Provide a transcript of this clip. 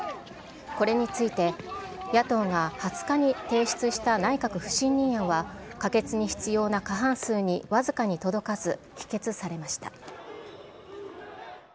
これについて、野党が２０日に提出した内閣不信任案は、可決に必要な過半数に僅かに届かず、否決されました。